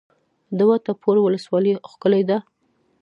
د وټه پور ولسوالۍ ښکلې ده